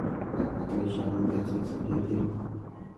آیا ته پوهېږې چې مالي مدیریت څنګه ترسره کېږي؟